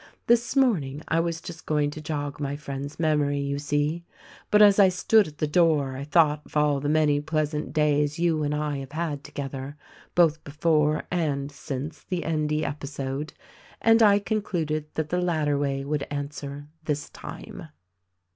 This morning, I was just going to jog my friend's memory, you see. But, as I stood at the door, I thought of all the many pleasant days you and I have had together, both before and since the Endv episode ; and I concluded that the latter way would answer — this time."